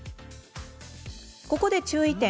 ここで注意点。